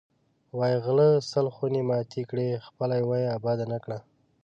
وایی غله سل خونې ماتې کړې، خپله یوه یې اباده نه کړه.